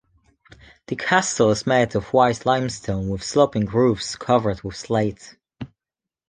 The castle is made of white limestone, with sloping roofs covered with slate.